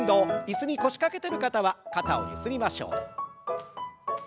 椅子に腰掛けてる方は肩をゆすりましょう。